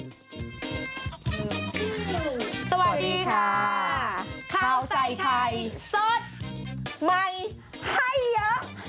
คำถามคือ